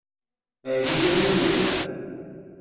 Ɛli d amdan yelhan.